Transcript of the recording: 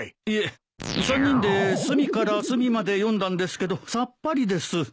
いえ３人で隅から隅まで読んだんですけどさっぱりです。